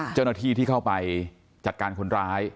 เจ้าหน้าที่ที่เข้าไปจัดการคนร้าย